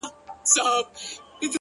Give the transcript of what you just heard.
هغې بېگاه زما د غزل کتاب ته اور واچوه،